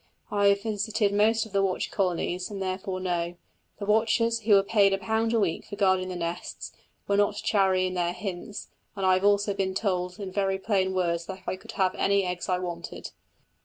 I have visited most of the watched colonies, and therefore know. The watchers, who were paid a pound a week for guarding the nests, were not chary of their hints, and I have also been told in very plain words that I could have any eggs I wanted.